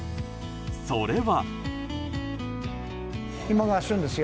それは。